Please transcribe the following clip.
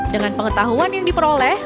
dengan pengetahuan yang diperoleh